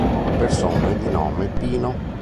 Persone di nome Pino